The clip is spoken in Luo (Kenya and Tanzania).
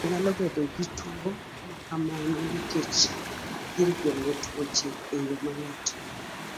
Nyithindo nyalo bedo gi tuwo makamano nikech gir geng'o tuoche eyo mayot.